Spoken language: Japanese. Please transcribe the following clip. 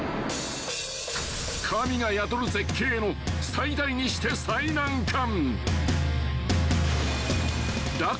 ［神が宿る絶景への最大にして最難関］